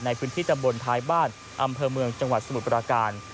ในพื้นที่ตำบลท้ายบ้านอำเภอเมืองจังหวัดสมุทรปราการ